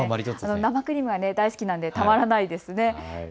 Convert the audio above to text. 生クリームが大好きなのでたまらないです。